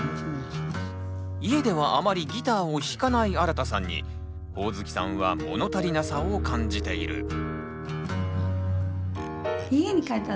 家ではあまりギターを弾かないあらたさんにホオズキさんは物足りなさを感じている。